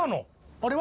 あれは？